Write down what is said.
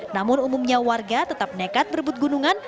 namun umumnya warga tetap nekat berebut gunungan